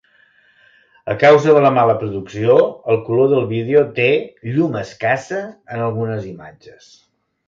A causa de la mala producció, el color del vídeo té "llum escassa" en algunes imatges.